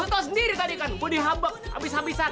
lu tau sendiri tadi kan gua dihambak habis habisan